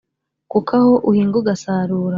kuko aho uhinga ugasarura